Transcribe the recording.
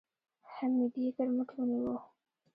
حميديې تر مټ ونيو.